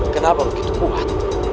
kenapa begitu kuat